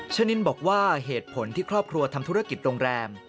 ชนินบอกว่าเหตุผลที่ครอบครัวทำธุรกิจโรงแรม